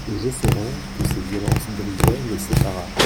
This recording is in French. Josserand, que ces violences brisaient, les sépara.